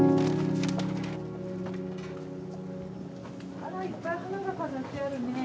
あらいっぱい花が飾ってあるね。